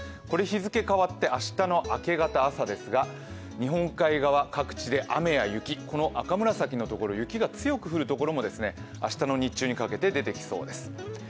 これ、日付変わって明日の明け方朝ですが、日本海側、各地で雨や雪、赤紫のところ、雪が強く降るところも、明日の日中にかけて、出てきそうです。